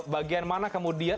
bagian mana kemudian